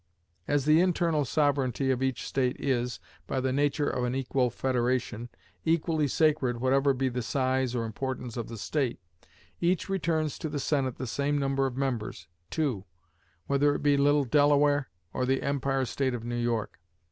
As the internal sovereignty of each state is, by the nature of an equal federation, equally sacred whatever be the size or importance of the state, each returns to the Senate the same number of members (two), whether it be little Delaware or the "Empire State" of New York.